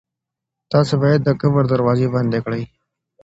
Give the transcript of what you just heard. تاسي باید د کبر دروازې بندې کړئ.